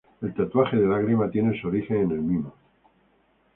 El tatuaje de lágrima tiene su origen en el Mimo.